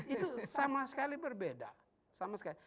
itu sama sekali berbeda